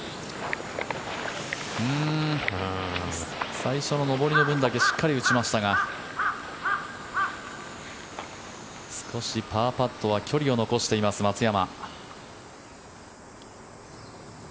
最初の上りの分だけしっかり打ちましたが少しパーパットは距離を残しています、松山。